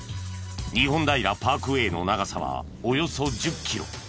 日本平パークウェイの長さはおよそ１０キロ。